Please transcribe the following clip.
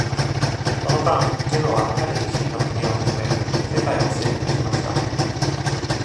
その間、「ジェム」は彼自身の国を含め世界を征服しました。